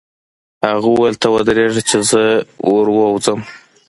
هغه وویل: ته ودرېږه چې زه ور ووځم.